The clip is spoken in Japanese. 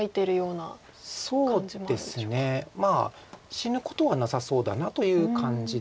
死ぬことはなさそうだなという感じではあります。